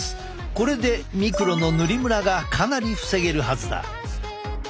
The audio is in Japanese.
これでミクロの塗りムラがかなり防げるはずだ。